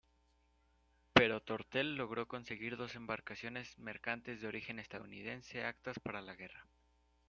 Pero Tortel logró conseguir dos embarcaciones mercantes de origen estadounidense actas para la guerra.